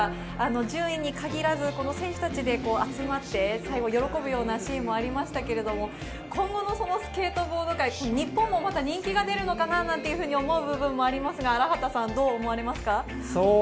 順位に限らず、選手たちで集まって最後喜ぶシーンもありましたが、今後のスケートボード界、日本も人気が出るのかなって思う部分もありますが、どう思われますか？